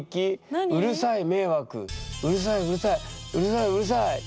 「『うるさい迷惑』『うるさい』『うるさい』『うるさい』『うるさい』」。